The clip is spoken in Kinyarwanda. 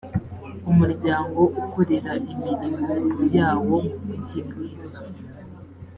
umuryango ukorera imirimo yawo mu mujyi mwiza